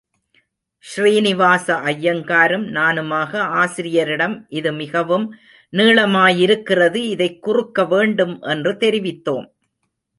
ஸ்ரீனிவாச ஐயங்காரும் நானுமாக, ஆசிரியரிடம் இது மிகவும் நீளமாயிருக்கிறது, இதைக் குறுக்க வேண்டும் என்று தெரிவித்தோம்.